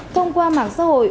thông qua mảng xã hội